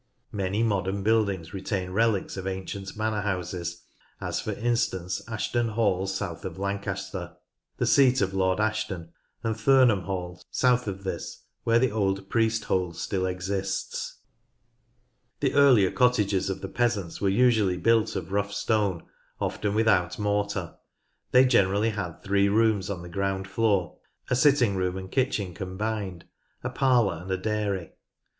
Many modern buildings retain relics of ancient manor houses, as for instance Ashton Hall, south of Lancaster, 140 NORTH LANCASHIRE the seat of Lord Ashton, and Thurnham Hall, south of this, where the old priest hole still exists. The earlier cottages of the peasants were usually built of rough stone, often without mortar. They generally Graythwaite Old Hall had three rooms on the ground floor, a sitting room and kitchen combined, a parlour, and a dairy.